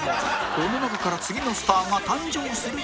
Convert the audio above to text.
この中から次のスターが誕生するかも